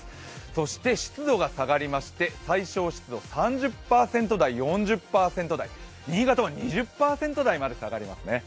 そして湿度が下がりまして、最小湿度３０％台、４０％台、新潟は２０％台まで下がります。